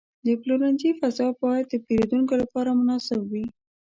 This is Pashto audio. د پلورنځي فضا باید د پیرودونکو لپاره مناسب وي.